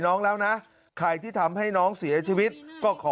แล้วนะใครที่ทำให้น้องเสียชีวิตก็ขอ